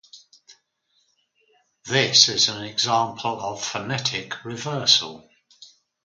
This is an example of phonetic reversal.